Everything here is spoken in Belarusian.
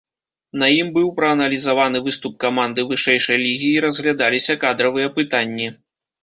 На ім быў прааналізаваны выступ каманды вышэйшай лігі і разглядаліся кадравыя пытанні.